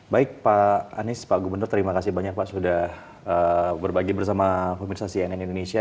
baik pak anies pak gubernur terima kasih banyak pak sudah berbagi bersama pemirsa cnn indonesia